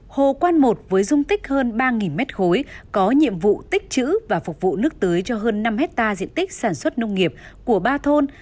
hồ quan một với dung tích hơn ba m ba có nhiệm vụ tích chữ và phục vụ nước tưới cho hơn năm hectare diện tích sản xuất nông nghiệp của ba thôn